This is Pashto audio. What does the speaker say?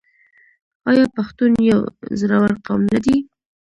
آیا پښتون یو زړور قوم نه دی؟